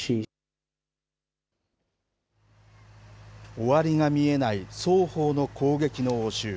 終わりが見えない双方の攻撃の応酬。